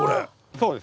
そうです。